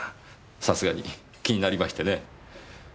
さすがに気になりましてね。